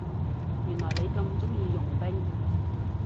原來你咁鍾意傭兵